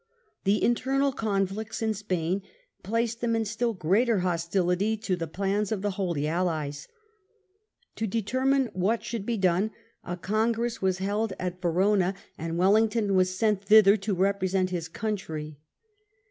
The internal conflicts in Spain placed them in still greater hostility to the plans of the Holy Allies. To determine what should be done a Congress was held at Verona, and Wellington was sent thither to represent his country.